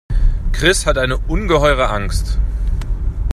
Chris hat eine ungeheure Angst.